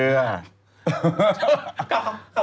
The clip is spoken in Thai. ชอบนั่งเรือ